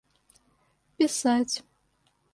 писать